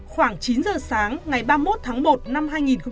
khoảng chín giờ sáng ngày ba mươi một tháng một năm hai nghìn một mươi chín